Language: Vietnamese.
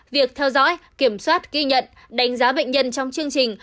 việc theo dõi kiểm soát ghi nhận đánh giá bệnh nhân trong chương trình